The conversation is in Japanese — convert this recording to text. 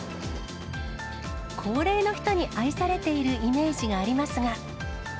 高齢の人に愛されているイメージがありますが。